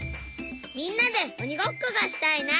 みんなでおにごっこがしたいな。